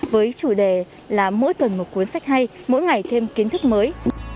với chủ đề là mỗi tuần một cuốn sách hay mỗi ngày thêm kiến thức mới